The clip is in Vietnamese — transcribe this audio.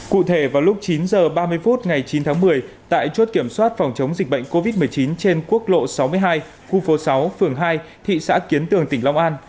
cụ thể vào lúc chín h ba mươi phút ngày chín tháng một mươi tại chốt kiểm soát phòng chống dịch bệnh covid một mươi chín trên quốc lộ sáu mươi hai khu phố sáu phường hai thị xã kiến tường tỉnh long an